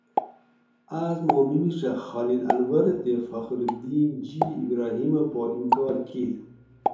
آس ما میمیڄہ خالد انورہ تے فخرالدین جی ابراھیمہ پا انکار کیت